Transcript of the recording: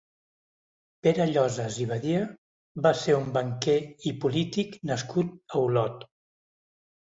Pere Llosas i Badia va ser un banquer i polític nascut a Olot.